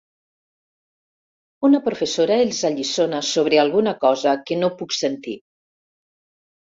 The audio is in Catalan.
Una professora els alliçona sobre alguna cosa que no puc sentir.